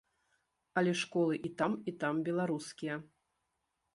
Але школы і там і там беларускія.